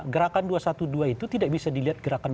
gerakan dua ratus dua belas itu tidak bisa dilihat gerakan